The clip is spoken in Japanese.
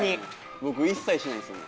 僕一切しないですね。